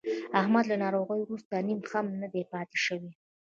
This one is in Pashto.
احمد له ناروغۍ ورسته نیم هم نه دی پاتې شوی.